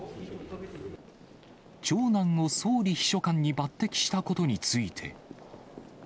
長男を総理秘書官に抜てきしたことについて。